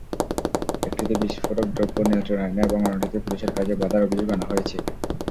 একটিতে বিস্ফোরকদ্রব্য নিয়ন্ত্রণ আইনে এবং অন্যটিতে পুলিশের কাজে বাধার অভিযোগ আনা হয়েছে।